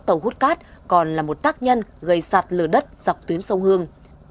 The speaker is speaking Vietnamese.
các tàu hút cát còn là một tác nhân gây sạt lửa đất dọc tuyến sông hương